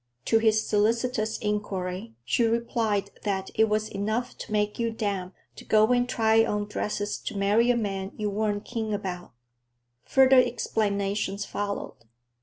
To his solicitous inquiry she replied that it "was enough to make you damp, to go and try on dresses to marry a man you weren't keen about." Further explanations followed.